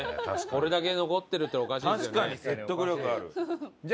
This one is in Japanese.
これだけ残ってるっておかしいですよね。